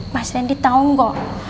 mas rendy tau nggak